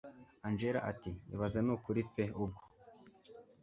angella ati ibaze nukuri pe ubwo